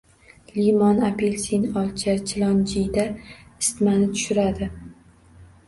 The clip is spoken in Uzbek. Limon, apelsin, olcha, chilonjiyda isitmani tushiradi.